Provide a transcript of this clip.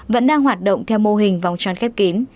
vẫn đang hoạt động theo mô hình vòng tròn khép kín